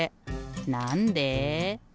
なんで？